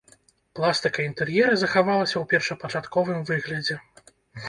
Пластыка інтэр'ера захавалася ў першапачатковым выглядзе.